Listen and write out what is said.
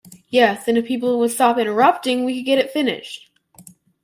Yes, and if people would stop interrupting we could get it finished.